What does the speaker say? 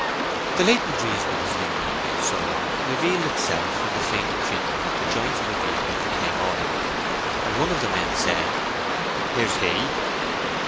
The latent reason of his lingering here so long revealed itself when the faint creaking of the joints of a vehicle became audible, and one of the men said, "Here's he."